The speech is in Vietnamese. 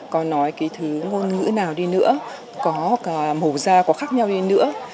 có nói cái thứ ngôn ngữ nào đi nữa có màu da có khác nhau đi nữa